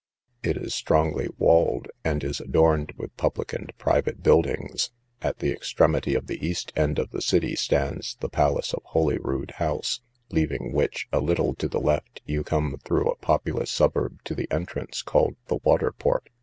It was strongly walled, and is adorned with public and private buildings. At the extremity of the east end of the city stands the palace of Holyrood house; leaving which, a little to the left, you come through a populous suburb to the entrance, called the Water port.